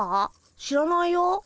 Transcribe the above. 知らないよ。